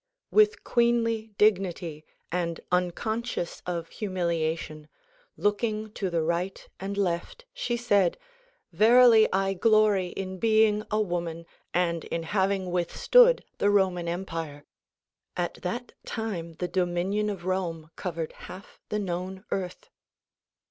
With queenly dignity and unconscious of humiliation, looking to the right and left, she said "Verily I glory in being a woman and in having withstood the Roman empire." (At that time the dominion of Rome covered half the known earth).